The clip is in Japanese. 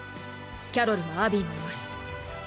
キャロルもアビーもいます